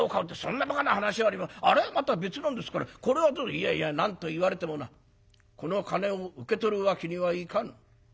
「いやいや何と言われてもなこの金を受け取るわけにはいかぬ。